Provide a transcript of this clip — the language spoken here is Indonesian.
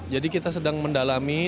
jadi kita sedang mendalami